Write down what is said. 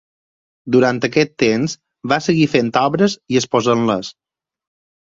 Durant aquest temps va seguir fent obres i exposant-les.